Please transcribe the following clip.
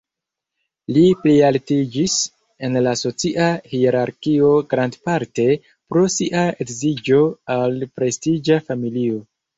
Li plialtiĝis en la socia hierarkio grandparte pro sia edziĝo al prestiĝa familio.